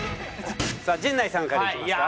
さあ陣内さんからいきますか。